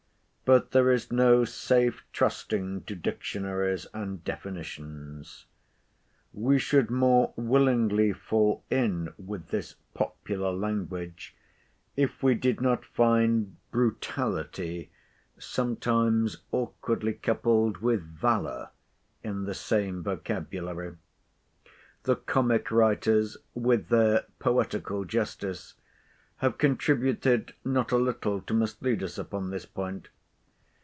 But there is no safe trusting to dictionaries and definitions. We should more willingly fall in with this popular language, if we did not find brutality sometimes awkwardly coupled with valour in the same vocabulary. The comic writers, with their poetical justice, have contributed not a little to mislead us upon this point.